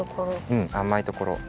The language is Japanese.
うんあまいところ。